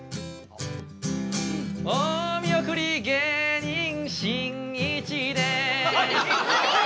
お見送り芸人しんいちですいい！